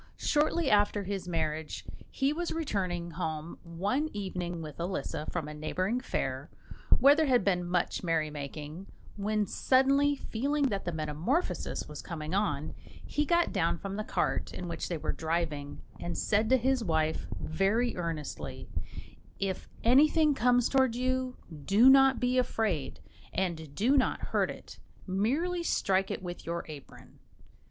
Shortly after his marriage, he was returning home one evening with Elisa from a neighbouring fair, where there had been much merrymaking, when, suddenly feeling that the metamorphosis was coming on, he got down from the cart in which they were driving, and said to his wife, very earnestly, "If anything comes towards you, do not be afraid, and do not hurt it; merely strike it with your apron."